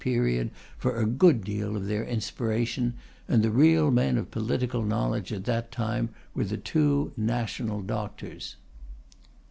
period for a good deal of their inspiration, and the real men of political knowledge at that time were the two National Doctors."